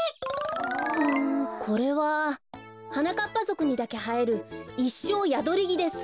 うんこれははなかっぱぞくにだけはえるイッショーヤドリギです。